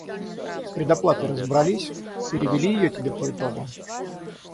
С предоплатой разобрались? Перевели её тебе по итогу?